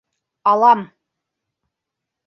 Алам!..